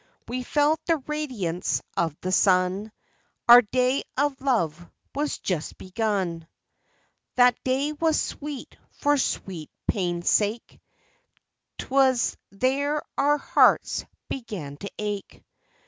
We felt the radiance of the sun ; Our day of love was just begun : 37 38 THREE DA KS. That day was sweet for sweet Pain's sake : 'T was there our hearts began to ache.